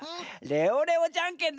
レオレオじゃんけん？